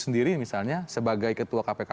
sendiri misalnya sebagai ketua kpk